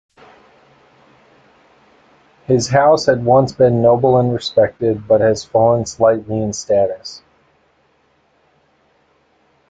His house had once been noble and respected, but has fallen slightly in status.